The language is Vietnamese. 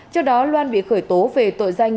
trước đó loan bị khởi tố về tội danh